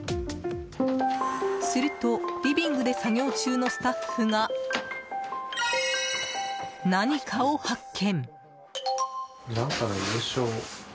するとリビングで作業中のスタッフが何かを発見。